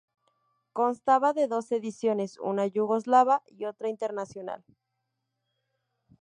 Constaba de dos ediciones: una yugoslava y otra internacional.